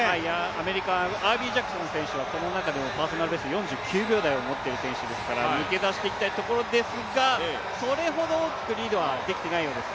アメリカ、アービージャクソン選手はこの中でもパーソナルベスト４９秒台を持っている選手ですから抜け出していきたいところですが、それほど大きくリードはできてないようです。